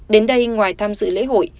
đến đây ngoài tham dự lễ hội